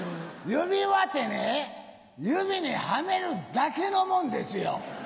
指輪ってね指にはめるだけのもんですよ。